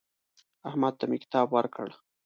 احمد ته مې کتاب ورکړ.